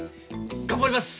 頑張ります。